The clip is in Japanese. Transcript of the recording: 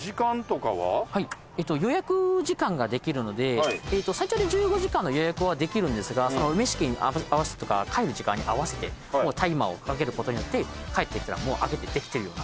予約時間ができるので最長で１５時間の予約はできるんですが帰る時間に合わせてタイマーをかけることによって帰ってきたらもう開けてできてるような。